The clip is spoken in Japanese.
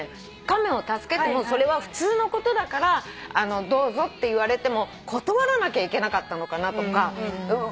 亀を助けてもそれは普通のことだからどうぞって言われても断らなきゃいけなかったのかなとか。